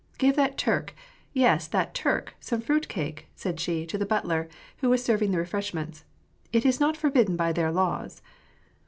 " Give that Turk, yes that Turk, some fruit cake," said she to the butler, who was serving the refreshments ;" it is not forbidden by their laws."